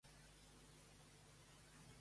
On es va amagar Troilos?